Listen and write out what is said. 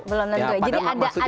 belum tentu ya